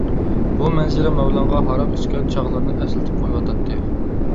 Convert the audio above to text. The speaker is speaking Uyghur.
بۇ مەنزىرە مەۋلانغا ھاراق ئىچكەن چاغلىرىنى ئەسلىتىپ قويۇۋاتاتتى.